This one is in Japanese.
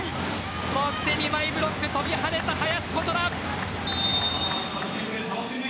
そして２枚ブロック跳びはねた林琴奈。